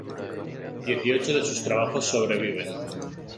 Dieciocho de sus trabajos sobreviven.